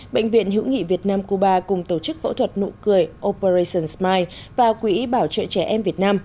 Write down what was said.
bệnh viện hữu nghị việt nam cuba cùng tổ chức phẫu thuật nụ cười operation smile và quỹ bảo trợ trẻ em việt nam